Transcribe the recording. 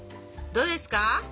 どうですか？